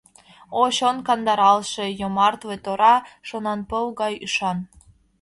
О, чон кандаралше, йомартле, Тора шонанпыл гай ӱшан!